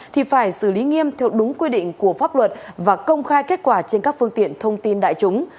thì phải xử lý nghiêm theo đúng quy định của pháp luật và công khai kết quả trên các phương tiện thông tin đại chúng